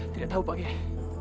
tidak tahu pak qiyai